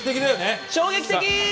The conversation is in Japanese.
衝撃的！